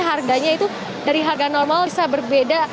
harganya itu dari harga normal bisa berbeda